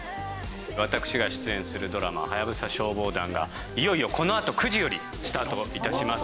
私が出演するドラマ『ハヤブサ消防団』がいよいよこのあと９時よりスタート致します。